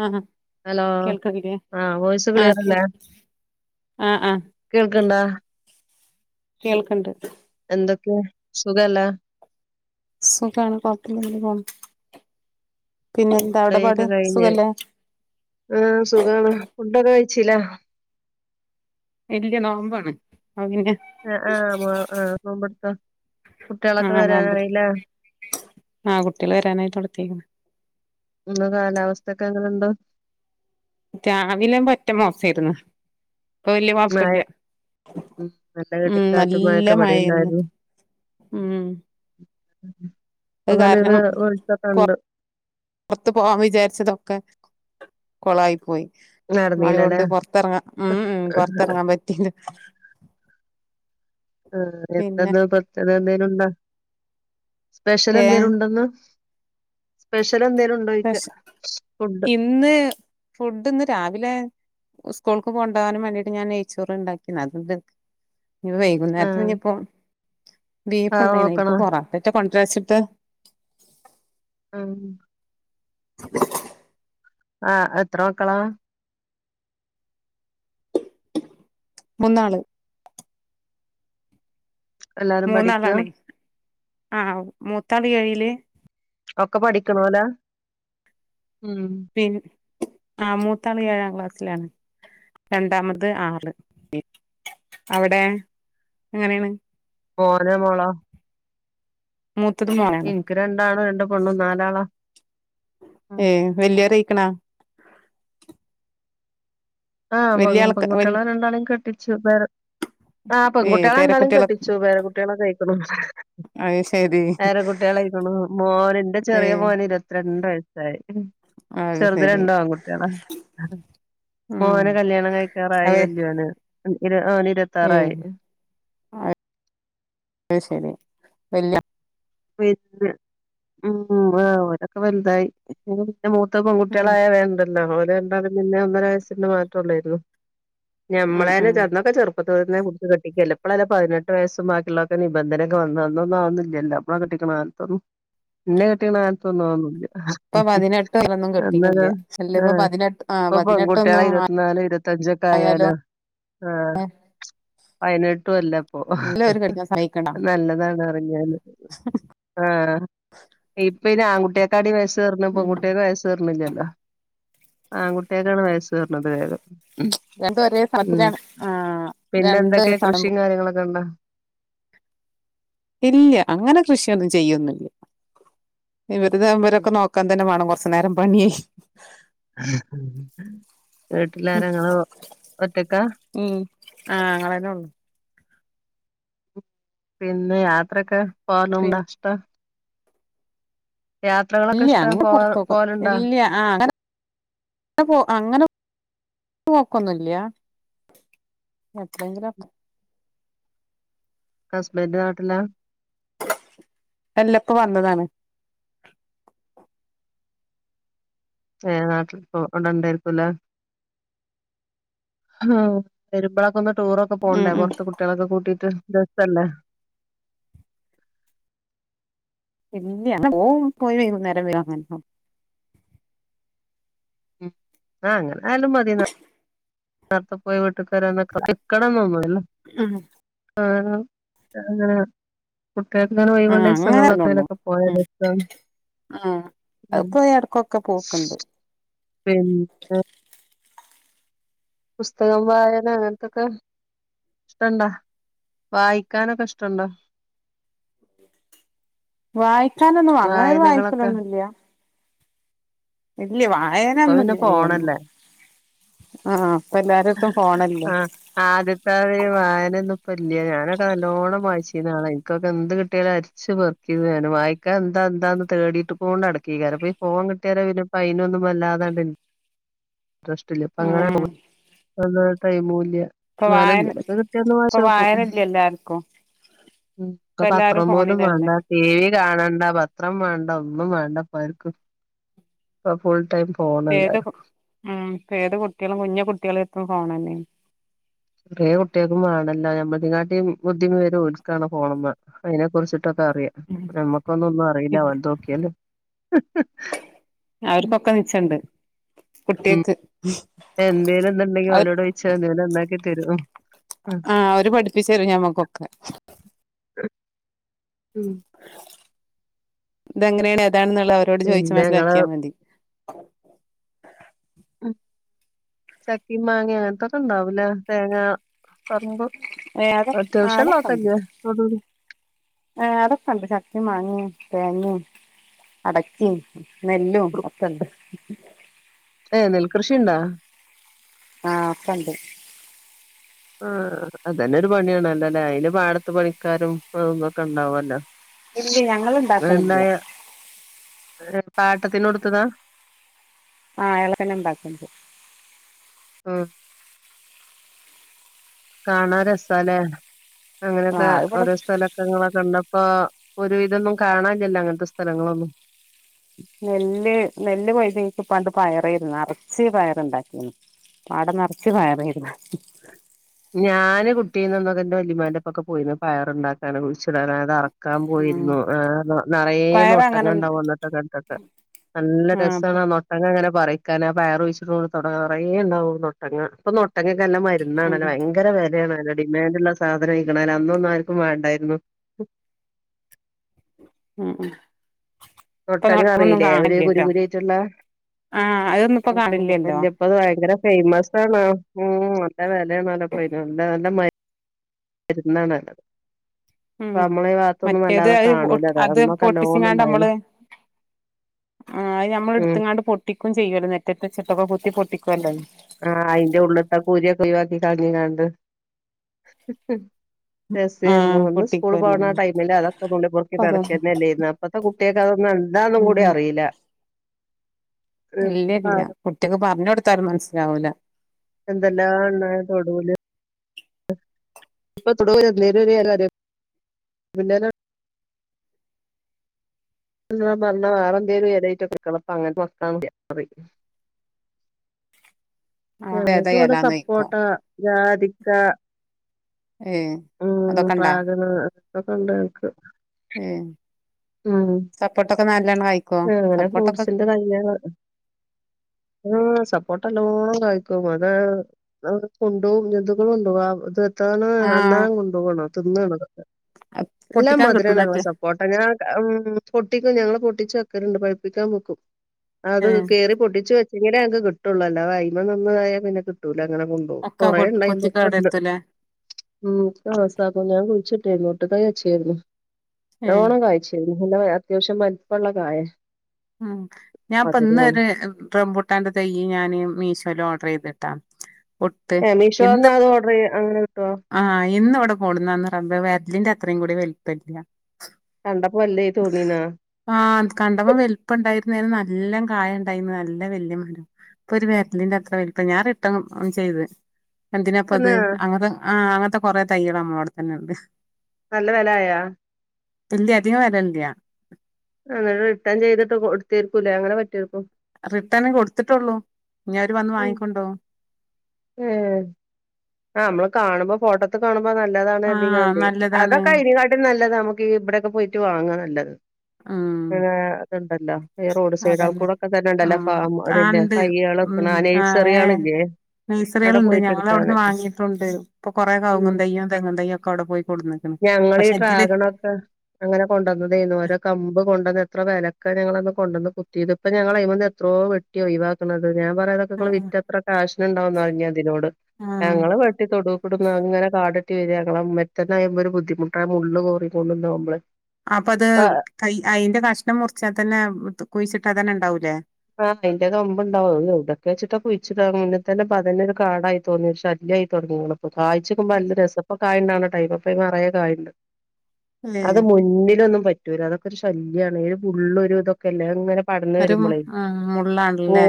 ആഹ് hello കേൾക്കണില്ലേ ആ voice ആഹ് ക്ലിയർല്ലേ ആഹ് കേൾക്കുന്നോ കേൾക്ക്ണ്ട് എന്തൊക്കെ സുഖല്ലാ സുഖാണ് കൊയപ്പൊന്നുല്ല ഫുഡക്കെ കഴിഞ്ഞ് ആ സുഖമാണ് ഫുണ്ടൊക്കെ കഴിച്ചില്ല ഇല്ല നോമ്പാണ് അപ്പ പിന്നെ ആഹ് ആഹ് ആഹ് ആഹ് നോമ്പടുത്ത് - ആഹ് നോമ്പതി ആ കുട്ടികൾ വരാനായി തൊടത്തേക്കുന്നു ഇന്ന് കാലാവസ്ഥ ഒക്കെ എങ്ങനുണ്ട് രാവിലെ പറ്റ മോശായിരുന്നു ഇപ്പൊ വലിയ മഴ കൊയപ്പല്ല ഉം നല്ല ഉം ഇടിം കാറ്റും നല്ല മഴൊക്കെ മഴായിരുന്ന്. ഇവിടെണ്ടായിരുന്നു ഉം അത് അങ്ങനെ കാരണം ഒരു വെളിച്ചൊക്കെ പോ ഉണ്ട് പുറത്ത പോവാാൻ വിചാരിച്ചതൊക്കെ കൊളായി പോയി. നടന്നീലല്ലേ മഴണ്ട് പുറത്തിറങ്ങാ ഉം ആഹ് പൊറത്തിറങ്ങാൻ പറ്റില്ല. ഏഹ് പിന്നെ എന്തെന്നാ പ്രത്യേക എന്തേനും ഉണ്ട. സ്പെഷ്യൽ എന്തേലും ഏഹ് ഉണ്ടെന്ന്. സ്പ പെഷ്യൽ എന്തെങ്കിലും ഉണ്ടോയിക്ക. ഫുഡ്‌. ഇന്ന് ഫുഡ് ഇന്ന് രാവിലെ സ്കൂൾക്ക് കൊണ്ടാകാൻ വേണ്ടിട്ട് ഞാൻ നെയ്ച്ചോറ് ഉണ്ടാക്കി അത് ഇ ഈ വൈകുന്നേരത്തി ആഹ് ഇനിയിപ്പോ ബീഫ് ആഹ് ഉണ്ടായിനി നോക്കണോ പൊറത്തട്ട കൊ ണ്ടറിച്ചിടെ ആഹ് ആഹ് എത്ര മക്കളെ മൂന്നാള് എല്ലാരും പഠിക്ക മൂന്നാളാണേ ആഹ് മൂത്താള എഴിലെ ഒക്കെ പഠിക്കളല ഉം ആ മൂത്താള ഏഴാം ക്ലാസ്സിലാണ്. രണ്ടാമത് ആറ് ലെ അവിടെ എങ്ങനെയാണ്. മോന മോള. മൂത്തത് മോനാണ് എനിക്ക് രണ്ടാണോ രണ്ട പെണ്ണും നാലാളോ. ഏ വലിയരായികാണാ ആഹ് പെങ്കു വൽ പെങ്കുട്ടികളെ രണ്ടാളേം കെട്ടിച്ചു വേറെ- ആഹ് ഏഹ് പെൺകുട്ടികളെ എന്തായാലും പേരക്കുട്ടികളൊക്കെ കെട്ടിച്ചു വേറെ കുട്ടികളെ കഴിക്കണം- അത് ശരി വേറെ കുട്ടികളായിക്കണു മോൻ എന്റെ ചെറിയ ഏഹ് മോന് ഇരുപത്തിരണ്ട വയ സായ് അത് ചെറുത് ശരി രണ്ട് ആൺകുട്ടികളാ- ഉം മോന് കല്യാണം കഴിക്കാറായി അതെ വല്യൊന് ഇര് വന് ഏഹ് ഇരുപത്താറായി- അത് ശരി വല്ലി- മ് ഹ് ആഹ് അവരൊക്കെ വലുതായി- മൂത്ത ഉം പെൺകുട്ടികളായ വേണ്ടല്ലോ ഓര് രണ്ടാലും പിന്നെ ഒന്നര വയസിന് മാറ്റമള്ളായിരുന്നു- ഉം ഞമ്മളെനെ ഉം ചെന്നൊക്കെ ചെറുപ്പ- പ്പൊത്തന്നെ പിടിച്ച് കെട്ടിക്കലല്ലേ ഇപ്പളല്ലേ പതിനെട്ട് വയസ്സ് ബാക്കിയുള്ളൊക്കെനിബന്ധനൊക്കെ വന്നെ അന്നൊന്നും അതൊന്നില്ലല്ലോ? നമ്മ കെട്ടിക്കണ കാലത്തോന്ന് എന്നെ കെട്ടിക്കണ ഇപ്പൊ കാലത്തത്തൊന്നുംന്നില്ല- പതിനെട്ട് വരൊന്നും എന്ന കെട്ടിക്കില്ല അല്ല ഇപ്പൊ ആഹ് പതിനെട്ട് ആ ഇപ്പൊ പെൺകുട്ടികളെ പതിനെട്ടൊന്നും ഇരുപത്തിനാല് ഇരുപത്ത ഞ്ചക്കെ ആയാല ആയാലും ആഹ് പതിനെട്ടും അല്ലപ്പൊ എല്ലാവരും കെട്ടിക്കാൻ സമ്മതിക്കണ്ട നല്ലതാണ് അറിഞ്ഞാല് - ആഹ് ഇപ്പൊയിനി ആൺകുട്ടിയക്കാട്ടിവെഷ വയസ് ഏറ്ണത് ഉം പെൺകുട്ടിയെക്ക് വയസേറിന്നില്ലല്ലോ ആൺകുട്ടിയക്കാണ് വയസ് ഏറണത് വേഗം- രണ്ടും ഒരേ മ് സ്ഥലത്തിലാണ് ആ രണ്ട് പിന്നെന്തൊക്കെയ സ്ഥലം കൃഷിയും കാര്യങ്ങളൊക്കെ ഒണ്ടോ? ഇല്ലൃ അങ്ങനെ കൃഷിയൊന്നും ചെയ്യൊന്നില്ല - ഇവർ നവരൊക്കെ നോക്കാൻ തന്നെ വേണം കൊറച്ച നേരം പണി- വീട്ടിലാരങ്ങളോ- ഉം ആഹ് അങ്ങളാ ഉള്ളു പിന്നെ യാത്രൊക്കെ പോനും പിന്നെ ഇഷ്ടാ- ഇല്ലൃ ഇഷ്ട അങ്ങെ പോ പുറത്തോക്ക പോവലുണ്ടോ ഇല്ലൃ ആഹ് - പോ അങ്ങനെ പോക്കൊന്നില്ല- എത്രങ്കിലൊക്കെ- കസ്ബൻഡ് നാട്ടിലാ അല്ല പ്പോ വന്നതാണ്. ഏഹ് നാട്ടിൽപ്പോ ഔടെഇണ്ടായ് രിക്കൂല വെരുമ്പളൊക്ക ഒന്ന് ടൂറൊക്കെ ഉം പോണ്ടേ ഉം പൊറ്ത്ത് കുട്ട്യേളെക്കെ കൂട്ടീട്ട് ബെസ്സല്ലേ ഇല്ല പോ പോയി വൈകുന്നേരം വ [unintelligible] ഉം ആഹ് അങ്ങനാലും മതി നേര്ത്തെ പോയി വീട്ട്കരന്നൊക്കണം നിക്കണൊന്നൊന്നുല്ല ഉം ആഹ് ആഹ് കുട്ട്യേൾക്ക് ങ്ങനെ ആ ഒഴിവൊള്ളയ്സൊങ്ങളിലൊക്കെ എയ് ലേക്കയ [unintelligible] പോയി [unintelligible] ഏഹ് അഹ്പ്പോ എട്ക്കൊക്കെ പോക്ക്ണ്ട് പിന്നെ പുസ്തകം വയന അങ്ങൻത്തൊക്കെ ഇഷ്ടണ്ടാ വായിക്കാനൊക്കെ ഇഷ്ടണ്ടോ വായിക്കാനൊന്നും അങ്ങനൊരു വായനകളൊക്കെ വായിക്കലൊന്നുല്ല ഇല്ല ഇപ്പൊ പിന്നെ ഫോണല്ലേ വായനൊന്നുംല്ലതികൊന്നു ആഹ് ഇപ്പ എല്ലാരട്ത്തും ഫോണല്ലേ ആഹ് ആദ്യത്തായിരി വായന [unintelligible] ന്നും വല്യേ നെ ഞാനൊക്കെ നല്ലോണം വായ്ച്ചീനാളേ ഇൻക്കൊക്കെ എന്ത് കിട്ടിയാല് അര്ച്ച് പൊറ്ക്കി നാൻ വായിക്കാ എന്താ എന്താന്ന് തേടീട്ട് പോണ്ടടെക്ക്യേക്കാരം അപ്പ് ഈ ഫോൺ കിട്ട്യാര പിന്ന ഫൈനൊന്നും വല്ലാതാണ്ട് ഇട്രസ്റ്റ്ല്ല ഇപ്പങ്ങനെ ഉം [unintelligible] ടൈമൂല്യ ഇപ്പൊ നാലൊ വായന എന്തേലൊക്കെ കിട്ട്യാന്ന് ഇപ്പൊ വാച്ചോക്കും ഉം വായനല്ല എല്ലാർക്കും [unintelligible] ഇപ്പ ക്ക എല്ലാരും പത്രം പോലും ഫോണിലല്ലേ വേണ്ട ടി വി കാണൻ വേണ്ട പത്രം വേണ്ട ഒന്നും വേണ്ട ഇപ്പക്കും ഇ ഫുൾ ടൈം ഫോണല്ലേ ഏത് ഉം ഏത് കുട്ട് കുട്ട്യേളെട്ത്തും കുഞ്ഞി കുട്ട്യേളട്ത്തും ഫോണന്നെ കൊറേ കുട്ട്യേൾക്കും വേണല്ലോ നമ്മ തെങ്ങാട്ടീ ബുദ്ധിവിവരോം ഓല്ക്കാണ് ഫോണ് മെ അയ്നെ കുറിച്ചി കൊക്കൊക്കറ്യ നമ്മക്കൊന്നും ഒന്നും അറീല്ല അവൻത്തോക്ക്യാല് അവർക്കൊക്കെ നിച്ചണ്ട് ഉം കുട്ട്യേക്ക് എന്തേലുത്ണ്ടെങ്കി അവര് ഓലോടോയ്ച്ചാ തി എന്തേലും ഒന്നാക്കി തരൂ ആഹ് അവര് പഠിപ്പിച്ചരു ഞമ്മക്കൊക്കെ ഉം ഇതെങ്ങനേണ് അതാണ്ന് ള്ള ഹ് അവരോട് ചോയ്ച് പിന്നെ ഇങ്ങള് മനസിലാക്ക്യാ മതി ഉം ചക്കിം മാങ്ങ്യ അങ്ങൻത്തൊക്കെഇണ്ടാവുലേ തേങ്ങ പറമ്പോ ഏഹ് അതൊ ആഹ് അത്യാവശ്യം അതൊക്കെണ്ട് നോക്കെല്ല ഏഹ് അതൊക്കെണ്ട് ചക്കിം മാങ്ങിം തേങ്ങെം അടക്കെം നെല്ലും ഒക്കണ്ട് ഏ നെൽകൃഷിണ്ടാ ആഹ് ഇപ്പണ്ട് ആഹ് അതന്നെ ഒരു പണിയാണല്ലൊ ലേ അയ്ല് പാടത്ത് പണിക്കാരും തൊക്കെ ഇണ്ടാവല്ലോ ഇല്ല ഞങ്ങള് ഇണ്ടാക്ക്ണില്ല അത്ണ്ടായ പാട്ടത്തിന് കൊടുത്തതാ ആഹ് എളയനെ ഇണ്ടാക്ക്ണ്ട് ഉം കാണാ രസാലെ ആ അങ്ങനക്കെ അത് ഇവിടെ ഓരോ സ്ഥലൊക്കെങ്ങള കണ്ടപ്പോ ഒരു വിതൊന്നും കാണാൻല്യെല്ലൊ അങ്ങൻത്തെ സ്ഥലങ്ങളൊന്നും നെല്ല് നെല്ല് കൊഴഞ്ഞക്ക് ഇപ്പണ്ട് പയറേരുന്നു ഇറച്ചി പയറേണ്ടാക്കിാണ് പാട നറച്ചു പയറേരുന്നു ഞാന് കുട്ടീന്ന്ന്നൊക്ക ഇന്റെ വല്ലിമാന്റെപ്പൊക്കെ പോയിന്നു പയറ്ണ്ടാക്കാന് കുഴിച്ചു [unintelligible] ത് അറക്കാൻ ഉം പോയിര്ന്നു ആ നറ്യേ പയറ് നൊട്ടങ്ങ അങ്ങനെ ഉണ്ടാവും അന്ന [unintelligible] ട്ടൊക്കത്തക്ക് നല്ല ആ രസാണ് ഇപ്പം അ നൊട്ടങ്ങനെ പറയ്ക്കാനാ ആ പയർ ഉഴിച്ചിട് നോട്ത്ത് ഔടെ നറ്യേ ഇണ്ടാവും നൊട്ടങ്ങ അപ്പനൊട്ടങ്ങക്കല്ല മരുന്നാണ് ഉം ഭയങ്കര വെലേണ് ഡിമാൻഡ് ഇള്ള സാധനയിക്ക്ണ് അന്നൊന്നും ആർക്കും വേണ്ടായിരുന്നു ഉം ഉം ഇപ്പൊ നൊട്ടങ്ങ നട്ടൊന്നും അറീലെ ഒരു കുരു കാണില്ലല്ലോ കുരു ആയിട്ടുള്ള ആ അതൊന്നും ഇപ്പൊ ഉം കാണില്ലല്ലോ വല്ലിയപ്പ അത് ഭയങ്കര ഫേമസ് ആണോ ഉം നല്ല വെലേണേലോ പ്പോ അയ്‌ന് നല്ല മര് ര്ന്നാണേലോ അത് ഉം മറ്റേത് അത് കാണൂല അത് അന്നൊക്കെ നല്ലോണം പൊട്ടിച്ചിങ്ങാണ്ട് ഉണ്ടായിരുന്നു നമ്മള് ആഹ് അത് ഉം നമ്മടുത്തങ്ങാണ്ട് പൊട്ടിക്കും ചെയ്യുവല്ലോ നെറ്റത്ത് വച്ചിട്ടൊക്കെ കുത്തി പൊട്ടിക്കുവല്ലോ ആഹ് അയിന്റെ ഉള്ള്ത്തെ ആ കുരുവൊക്കെ ഒഴിവാക്കി കളഞ്ഞ്ക്കാണ്ട് ആ രസേരുന്നു അന്ന് സ്കൂൾ പൊട്ടിക്കുവല്ലോ പോണ ആ ടൈമില് അതൊക്കെ നുള്ളിപ്പൊറുക്കി അപ്പൊ അതൊ നടക്കന്നല്ലേയ്നോ ഇപ്പത്തെ കുട്ടികൾക്ക് അതൊ എന്താന്നും കൂടി ഉം അറീല ഇല്ല പിന്നെ കുട്ടിക്ക് പർഞ്ഞ് കൊട് എന്തെല്ലാം ള്ളെ തൊടൂല് ഇപ്പൊ തൊടൂല് എന്തേലും ഒരു ഇല അറിയോ [unintelligible] ന്ന് പറഞ്ഞ വേറെ എന്തേലും എലെയ്റ്റൊക്കെ ഇപ്പോ അങ്ങനത്തെ മക്ക [unintelligible] അത് ഏതാ ഞങ്ങൾക്ക് ഇവിടെ എലാന്ന് ചോയിക്കും സപ്പോട്ടാ ജാതിക്ക ഏ ഉം അതൊക്കെ ഇണ്ടാ ഡ്രാഗണ് ഇതൊക്കെ ഉണ്ട് ഞങ്ങക്ക് ഉം ഉം ഉം അങ്ങനെ സപ്പോട്ടൊക്കെ ഫ്രൂട്ട്സിന്റെ തയ്യള് ആ സ പ്പോട്ട നല്ലോണം കായ്ക്കും അത് കൊണ്ടോവും ജന്തുക്കള് കൊണ്ടോവും ആ ത് ത്താണ് ആഹ് അണ്ണാൻ കൊണ്ടോവാണ് തിന്നാണ് നല്ല പൊട്ടിക്കാൻ മധുരാണ് കിട്ടൂല ഞങ്ങളെ റ്റെ സപ്പോട്ട ഞാ പൊട്ടിക്കും ഞങ്ങള് പൊട്ടിച്ച് ക്കാറുണ്ട് പഴുപ്പിക്കാൻ വക്കും അത് ഏ കേറി പൊട്ടിച്ചു വെ ച്ചെങ്കിലെ അത് കിട്ടൂള്ളൂ അല്ലാതെ അതിന്മേൽ നിന്നതായാൽ പിന്നെ കിട്ടൂല്ല അങ്ങനെ കൊണ്ട് പോകും ഒക്കെ കൊറേ ഉണ്ടായി കൊത്തി കേടെരുത്തൂലേ [unintelligible] [unintelligible] തൈ വച്ചായിരുന്നു ഏ നല്ലോണം കായിച്ചിരുന്നു നല്ല അത്യാവശ്യം വലുപ്പമുള്ള കായാ ഉം ഞാൻ ഇപ്പോ ഇന്ന് ഒരു റമ്പൂട്ടാന്റെ തൈയ്യ് ഞാന് മീഷോയില് ഓ ചെയ്‌തിട്ടാ പൊട്ട് ഏ മീഷോന്ന് ഇന്ന് അത് ഓർഡർ ചെയ്യ അങ്ങനെ കിട്ടുവോ ആ ഇന്ന് ഇവി ടെ കൊണ്ടുന്നന്ന് പറയുമ്പോ [unintelligible] അത്രയും കൂടി [unintelligible] കണ്ടപ്പോ വല്ലേ തോന്നീന്നാ ആഹ് കണ്ടപ്പോ വ ലുതായിരുന്നു നല്ല കായ ഉണ്ടായിന്ന് നല്ല വല്യ മരം ഇപ്പൊ ഒരു വേത്തലിന്റെ അത്ര വലുപ്പം ഞാൻ റിട്ടേൺ ചെയ്ത് എന്തിനാ ഇപ്പോ അത് എന്നാ അങ്ങനത്തെ ആ അങ്ങനത്തെ കൊറെ തൈകള് നമ്മടെ അവിടെ തന്നെ ഉണ്ട് നല്ല വില ആയാ ഇല്ല അധികം വെല ഇല്ല്യാ അങ്ങനെ റിട്ടേൺ ചെയ്തിട്ട് കൊടുത്തിരിക്കൂല്ലേ അങ്ങനെ പറ്റുവോ ഇപ്പം റിട്ടേണ് കൊടുത്തിട്ടേയുള്ളൂ ഇനി അവര് വന്ന് വാങ്ങിക്കൊണ്ട് പോവും ഉ ആ നമ്മള് കാണുമ്പോ ഫോട്ടോത്തെ കാണു നല്ലതാണ് ആഹ് കരുതിക്കാണ്ടെ നല്ലതാണ് അതൊക്കെ അതിനെകാട്ടിൽ നല്ലത് നമുക്ക് ഇവിടെയൊക്കെ പോയിട്ട് വാങ്ങുക നല്ലത് ഉം അങ്ങനെ അതുണ്ടല്ലോ ഈ റോഡ് അത് സൈഡാൾ തന്നേ കൂടൊക്കെ തന്നെ ഉണ്ടല്ലോ ഫാം അതിന്റെ ആഹ് തയ്യാള് വെക്കണ ആ നഴ്സറിയാളില്ലേ [unintelligible] അവിടെ നഴ്സറിയിലുണ്ട് പോയിട്ട് എടുത്താ ഞങ്ങളവിടുന്ന് മതി വാ ങ്ങിയിട്ടുണ്ട് ഇപ്പൊ കൊറേ കവുങ്ങും ഉം തൈയ്യും തെങ്ങും തൈയ്യുമൊക്കെ ഒക്കെ അവിടെ പോയി കൊണ്ടുന്നേക്കണ് ഞങ്ങളീ പക്ഷെ ഇതില് ഡ്രാഗണൊക്കെ അങ്ങനെ കൊണ്ടുവന്നതായിനു ഓരോ കമ്പ് കൊണ്ടുവന്ന് എത്ര ബലക്കനങ്ങളൊക്കെ കൊണ്ടന്ന് കുത്തിയത് ഇപ്പോ ഞങ്ങള് അതിമേന്ന് എത്രോ വെട്ടി ഒഴിവാക്കണത് ഞാൻ പറയണതൊക്കെ ഇങ്ങള് ആഹ് വിറ്റ് എത്ര കാശിന് ഉണ്ടാവൂന്നറിഞ്ഞ് അതിനോട് ആഹ് ഞങ്ങള് വെട്ടി തൊടുവിക്കൂടെ ഇങ്ങനെ കാട് പറ്റ വരികയാങ്ങളും മറ്റന [unintelligible] യുമ്പോ ഒരു ബുദ്ധിമുട്ടായ മള്റ [unintelligible] റിിക്കൊണ്ടന്നോ നുമമ്മള് അപ്പ അത് ക അയിന്റെ കഷ്ണം മുറിച്ചാ തന്നെ കുഴിച്ചിട്ട് തന്നെ ഉണ്ടാവൂലേ ആഹ് അന്റേമ്പ് ഉണ്ടാവ ഇവിടൊക്കെ [unintelligible] ച്ചിട്ട കുച്ചിട്ട മുന്ന തന്നെപ്പ അന്നെ ഒരു [unintelligible] കാടായി തോന്നി ഇയി തുടങ്ങി നിങ്ങളെ കായിച്ചക്കുമ്പോ നല്ല രസ കായണ്ടാണ് ടൈമ ഇപ്പ നിറയെ കായുണ്ട് ഏ അത് മുന്നിലൊന്നും പറ്റൂല്ല അതൊക്കെ ഒരു ശല്യമാണ് മുള്ളരു ഇതൊക്കെല്ലേ എങ്ങനെ- പടന്നന്ന് വരുമ്പോളേ മുുള്ളാനല്ലേ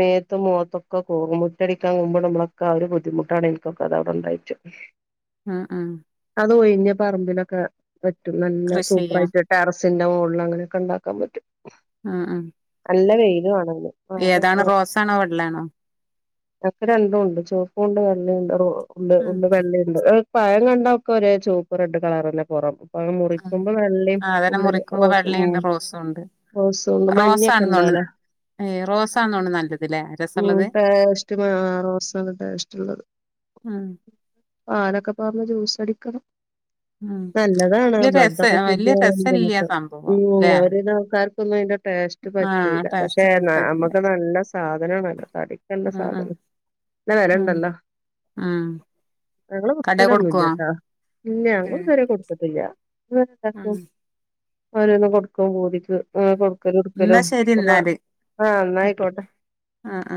നേരത്തെ മുഖത്തൊക്കെ കേറും മുറ്റടിക്കാൻ പൊകുമ്പോ നമ്മളൊക്കെ ആ ഒരു- ബുദ്ധിമുട്ടാണ് എനിക്കൊക്കെ അത അവിടെ ഉണ്ടായിച്ചു ആഹ് ആഹ് ഒഴിഞ്ഞ പറമ്പിലോക്കെ നല്ല കൃഷി ചെയ്യാ സൂപ്പറായിട്ട് ടെറ - മച്ചിന്റ മോളിൽ അങ്ങനെക്കെ ഉണ്ടാക്കാൻ പറ്റും ആഹ് ആഹ് നല്ല വെയിലും ആണ് ആ വെള്ളയാണോ ആക്കെ രണ്ടും ഉണ്ട് ചോപ്പും ഉണ്ട് ണ്ട് ഉണ്ട് ഉം ഉണ്ട് വെള്ളണ്ട് പഴം കണ്ട ഒക്കെ ഒരേ ചൂപ്പ് റെഡ് കളർന്നെ പുറം നമ്മള് ഉം മുറിക്കുമ്പോ വെള്ളയും ആ അതന്നെ ഉള്ളില് മുറിക്കുമ്പോ റോസ് ഉം വെള്ളയുണ്ട് റോസും ഉണ്ട് റോസ്ണ്ട് മഞ്ഞൊക്കെ റോസാണെന്നോണ് ഇണ്ടാവല്ല ഏ റോസാന്നോണ് നല്ലത്ല്ലേ ഉ രസമുള്ളത് ടഷ്ട ആറു മാസല്ല ടേസ്റ്റ്ള്ളത് [unintelligible] ഉം ആതൊക്കെപ്പാ ജൂസ് അടിക്കണം ഉം നല്ലതാണ് വല്യ രസ ബ്ലഡൊക്കെ വല്യ രസല്യ ശുദ്ധിയക്ക് ഉ സംഭവം ല്ലേ ഒരി ആൾക്കാർക്കൊന്നും- പറ്റ പക്ഷെ ടേസ്റ്റ് ആ പറ്റൂല ടേസ്റ്റ് രസല്ല നമ്മക്ക് നല്ല - സാധന വല്ല തടിക്കല്ല ഉം ഉം സാധനം ഇല്ല ഉം വിലണ്ടല്ലോ ഉം ഞങ്ങള് കടേ കൊടുക്കുവോ വിക്കലൊന്നുംല്ലട്ടാ ഇല്ല ഞങ്ങും ഉം ഇതുവരെ കൊടുത്തിട്ടില്ല അ [unintelligible] ഉം ക്കും അവനൊന്ന കൊടുക്ക കടിക്ക് ഉം അങ്ങന കൊടുക്കലോ കൊടുക്കലോ ന്നാ ശരി ന്നാല് [unintelligible] ആഹ് ന്നായിക്കോട്ടെ ആ ആ